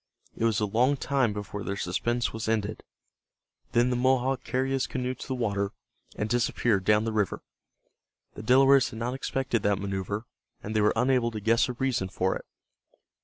It was a long time before their suspense was ended. Then the Mohawk carried his canoe to the water, and disappeared down the river. The Delawares had not expected that maneuver, and they were unable to guess a reason for it.